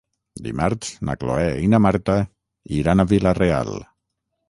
Dimarts na Cloè i na Marta iran a Vila-real.